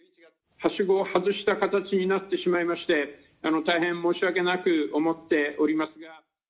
はしごを外した形になってしまいまして、大変申し訳なく思っておりますが。